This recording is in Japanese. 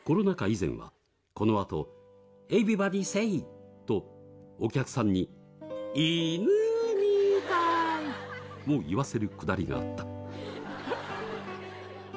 以前はこのあと「エビバディセイ！」とお客さんに「イヌみたい！」を言わせるくだりがあった。